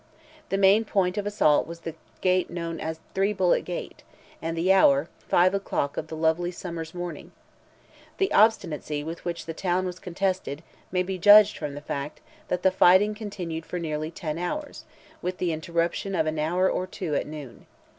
The main point of assault was the gate known as "three bullet gate," and the hour, five o'clock of the lovely summer's morning. The obstinacy with which the town was contested, may be judged from the fact, that the fighting continued for nearly ten hours, with the interruption of an hour or two at noon.